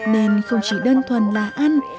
nên không chỉ đơn thuần là ăn